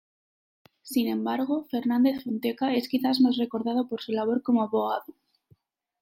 Sin embargo, Fernández-Fontecha es quizás más recordado por su labor como abogado.